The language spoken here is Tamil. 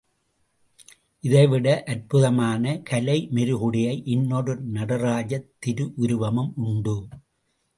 இதைவிட அற்புதமான கலை மெருகுடைய இன்னொரு நடராஜத் திருவுருவமும் உண்டு.